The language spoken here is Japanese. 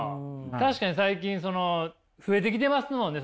確かに最近増えてきてますもんね！